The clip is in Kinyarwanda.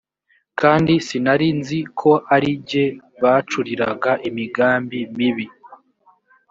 kandi sinari nzi ko ari jye bacuriraga imigambi mibi